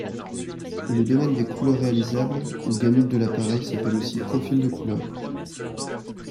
Le domaine des couleurs réalisables, ou gamut de l'appareil, s'appelle aussi profil de couleur.